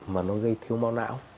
mà nó gây thiếu mau não